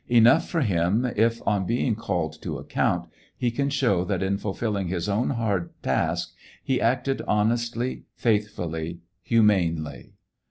Enough for him if, on being called to account, he can show that in fulfilling his own hard task, he acted honestly, faithfully, humanely.